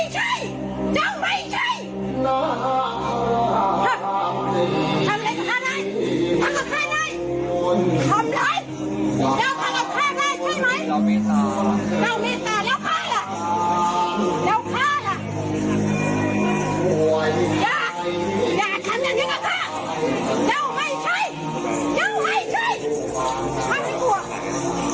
แจ้วไม่ใช่เจ้าไม่ใช่